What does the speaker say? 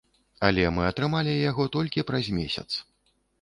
Але мы атрымалі яго толькі праз месяц.